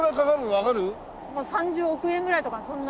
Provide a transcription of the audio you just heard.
もう３０億円ぐらいとかそんな。